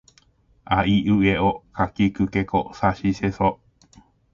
あいうえおかきくけこさしせそ